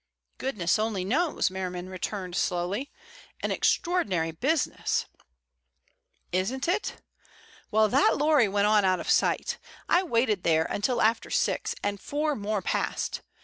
"Goodness only knows," Merriman returned slowly. "An extraordinary business." "Isn't it? Well, that lorry went on out of sight. I waited there until after six, and four more passed.